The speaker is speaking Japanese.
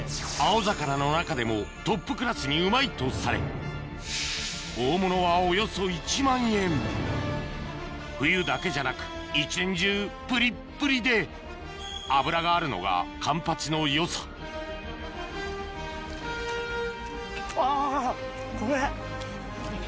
青魚の中でもトップクラスにうまいとされ大物はおよそ１万円冬だけじゃなく一年中プリップリで脂があるのがカンパチのよさうわ。